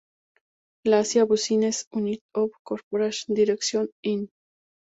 La Asia Business Unit of Corporate Directions, Inc.